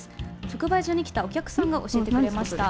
直売所に来たお客さんが教えてくれました。